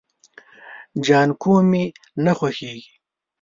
جانکو مې نه خوښيږي.